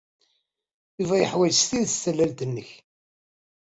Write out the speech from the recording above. Yuba yeḥwaj s tidet tallalt-nnek.